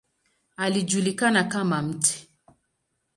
Alijulikana kama ""Mt.